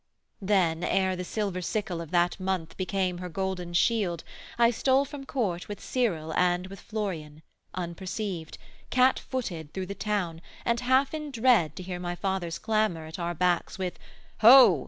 Then, ere the silver sickle of that month Became her golden shield, I stole from court With Cyril and with Florian, unperceived, Cat footed through the town and half in dread To hear my father's clamour at our backs With Ho!